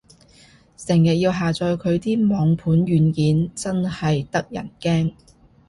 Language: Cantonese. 成日要下載佢啲網盤軟件，真係得人驚